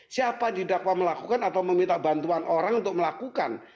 siapa didakwa melakukan atau meminta bantuan orang untuk melakukan